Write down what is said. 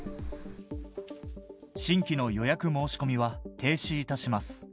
新規の予約申し込みは停止いたします。